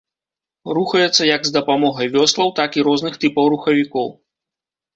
Рухаецца як з дапамогай вёслаў, так і розных тыпаў рухавікоў.